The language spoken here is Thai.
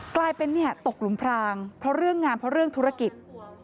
กลายเป็นตกหลุมพรางเพราะเรื่องงานเพราะเรื่องธุรกิจ